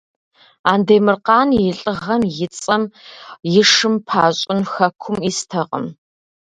Андемыркъан и лӀыгъэм и цӀэм и шым пащӀын хэкум истэкъым.